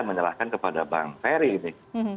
menyerahkan kepada bang ferry ini